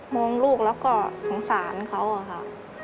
มองลูกแล้วก็สงสารเขาค่ะ